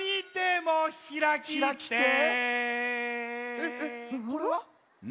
えっえっこれは？